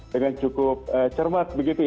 dengan cukup cermat begitu ya